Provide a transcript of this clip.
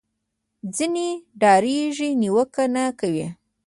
ځینې ډارېږي نیوکه نه کوي